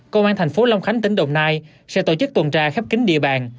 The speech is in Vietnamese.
công an thành phố long khánh tỉnh đồng nai sẽ tổ chức tuần tra khép kính địa bàn